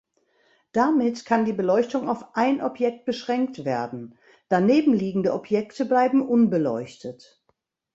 Damit kann die Beleuchtung auf ein Objekt beschränkt werden, danebenliegende Objekte bleiben unbeleuchtet.